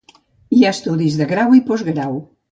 Hi ha estudis de grau i postgrau.